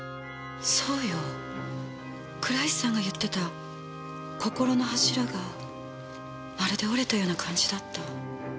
そうよ倉石さんが言ってた心の柱がまるで折れたような感じだった。